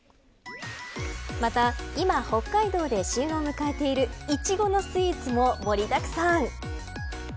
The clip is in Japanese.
また今、北海道で旬を迎えているイチゴのスイーツも盛りだくさん。